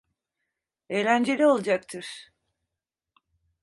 Eğlenceli olacaktır.